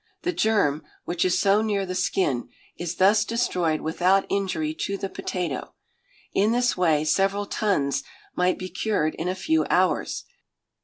The germ, which is so near the skin, is thus destroyed without injury to the potato. In this way several tons might be cured in a few hours.